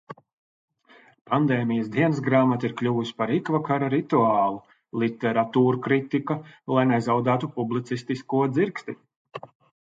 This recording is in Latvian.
Pandēmijas dienasgrāmata ir kļuvusi par ikvakara rituālu. Literatūrkritika, lai nezaudētu publicistisko dzirksti.